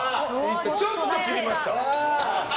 ちょっと切りました。